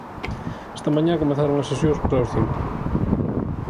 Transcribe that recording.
Esta mañá comezaron as sesións para os cinco.